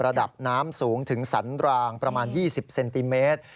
ระดับน้ำสูงถึงสันรางประมาณ๒๐เซนติเมตร